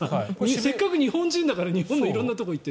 せっかく日本人だから日本の色んなところに行って。